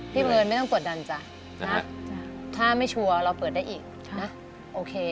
เพลินไม่ต้องกดดันจ้ะนะถ้าไม่ชัวร์เราเปิดได้อีกนะโอเค